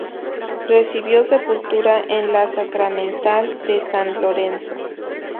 Recibió sepultura en la Sacramental de San Lorenzo.